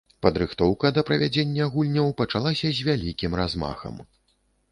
Падрыхтоўка да правядзення гульняў пачалася з вялікім размахам.